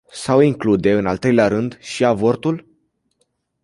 Sau include, în al treilea rând, și avortul?